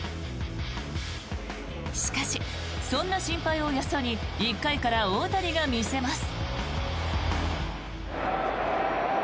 しかし、そんな心配をよそに１回から大谷が見せます。